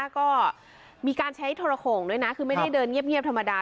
ก็มีการใช้โทรโข่งด้วยนะคือไม่ได้เดินเงียบธรรมดา